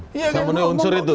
saya menilai unsur itu